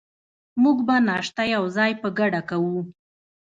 موږ به ناشته یوځای په ګډه کوو.